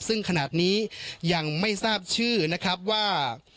ซึ่งขนาดนี้ยังไม่ทราบชื่อนะครับว่า